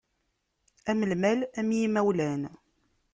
Am lmal, am imawlan.